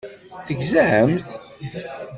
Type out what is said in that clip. Tegzamt?